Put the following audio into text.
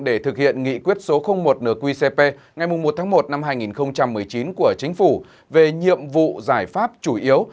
để thực hiện nghị quyết số một nqcp ngày một tháng một năm hai nghìn một mươi chín của chính phủ về nhiệm vụ giải pháp chủ yếu